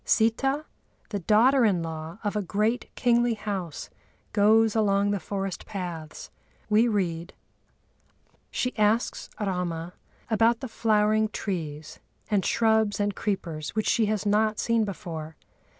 Sitâ, the daughter in law of a great kingly house, goes along the forest paths. We read: "She asks Râma about the flowering trees, and shrubs and creepers which she has not seen before.